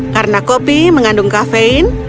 karena kopi mengandung kafein